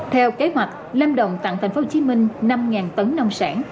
theo kế hoạch lâm đồng tặng thành phố hồ chí minh năm tấn nông sản